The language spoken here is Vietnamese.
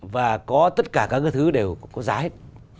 và có tất cả các cái thứ đều có giá hết